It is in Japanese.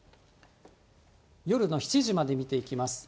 夜の７時まで見ていきます。